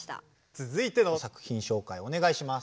続いての作品しょうかいお願いします。